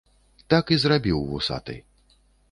Так і зрабіў вусаты.